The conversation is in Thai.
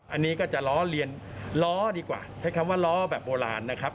อันนี้ก็จะล้อเลียนล้อดีกว่าใช้คำว่าล้อแบบโบราณนะครับ